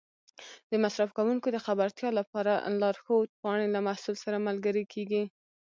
د مصرف کوونکو د خبرتیا لپاره لارښود پاڼې له محصول سره ملګري کېږي.